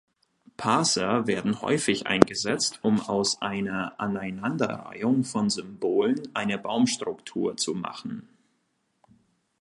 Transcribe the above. Parser werden häufig eingesetzt, um aus einer Aneinanderreihung von Symbolen eine Baumstruktur zu machen.